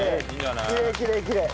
きれいきれいきれい。